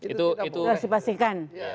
itu harus dipastikan